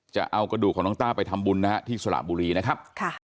จะเอากระดูกของน้องต้าไปทำบุญนะฮะที่สระบุรีนะครับ